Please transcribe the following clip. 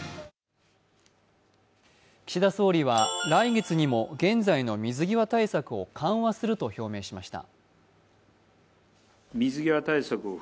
岸田総理は来月にも現在の水際対策を緩和すると表明しました。